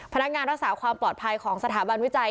พนักงานรักษาความปลอดภัยของสถาบันวิจัย